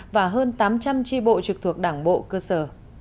và hơn tám trăm linh tri bộ trực thuộc đảng bộ cơ sở